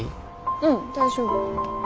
うん大丈夫。